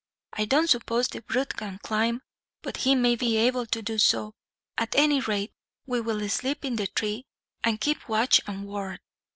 I don't suppose the brute can climb, but he may be able to do so. At any rate, we will sleep in the tree, and keep watch and ward."